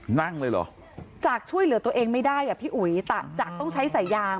นั่งเลยเหรอจากช่วยเหลือตัวเองไม่ได้อ่ะพี่อุ๋ยต่างจากต้องใช้สายยาง